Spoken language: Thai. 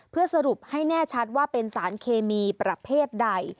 เพื่อสรุปให้แน่ชัดว่าเป็นสารเคมีประเภทใด